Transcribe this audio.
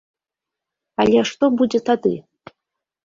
Але што будзе тады?